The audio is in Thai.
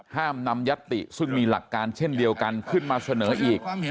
ห้ามนำยัตติซึ่งมีหลักการเช่นเดียวกันขึ้นมาเสนออีก